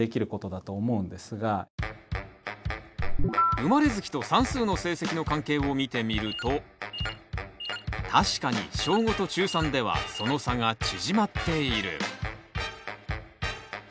生まれ月と算数の成績の関係を見てみると確かに小５と中３ではその差が縮まっている。